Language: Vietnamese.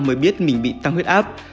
mới biết mình bị tăng huyết áp